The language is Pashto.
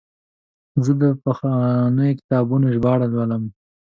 زه د پخوانیو کتابونو ژباړه لولم.